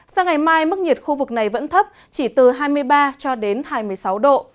sang ngày mai mức nhiệt khu vực này vẫn thấp chỉ từ hai mươi ba cho đến hai mươi sáu độ